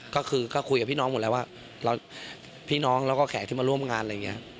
ก็คือก็คุยกับพี่น้องหมดแล้วว่าพี่น้องแล้วก็แขกที่มาร่วมงานอะไรอย่างนี้